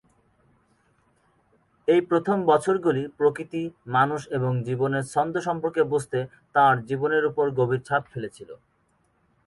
এই প্রথম বছরগুলি প্রকৃতি, মানুষ এবং জীবনের ছন্দ সম্পর্কে বুঝতে তাঁর জীবনের উপর গভীর ছাপ ফেলেছিল।